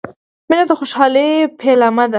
• مینه د خوشحالۍ پیلامه ده.